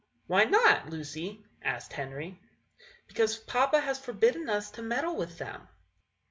"Why not, Lucy?" asked Henry. "Because papa has forbidden us to meddle with them."